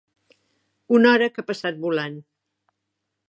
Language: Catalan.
Una hora que ha passat volant.